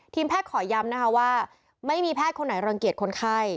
แพทย์ขอย้ำนะคะว่าไม่มีแพทย์คนไหนรังเกียจคนไข้